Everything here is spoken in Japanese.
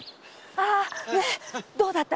ああねえどうだった？